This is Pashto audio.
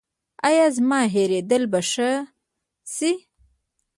ایا زما هیریدل به ښه شي؟